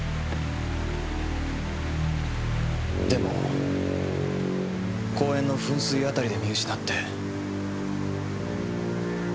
でも公園の噴水辺りで見失って。